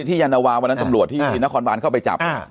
ยานวาวันนั้นตำรวจที่นครบานเข้าไปจับ